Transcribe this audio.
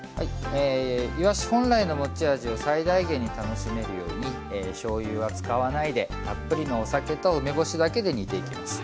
いわし本来の持ち味を最大限に楽しめるようにしょうゆは使わないでたっぷりのお酒と梅干しだけで煮ていきます。